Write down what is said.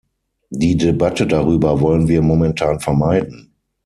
Die Debatte darüber wollen wir momentan vermeiden.